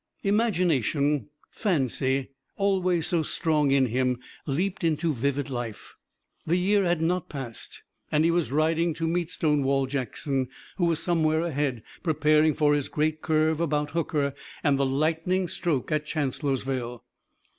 Imagination, fancy, always so strong in him, leaped into vivid life. The year had not passed and he was riding to meet Stonewall Jackson, who was somewhere ahead, preparing for his great curve about Hooker and the lightning stroke at Chancellorsville.